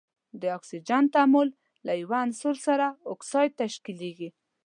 د اکسیجن تعامل له یو عنصر سره اکساید تشکیلیږي.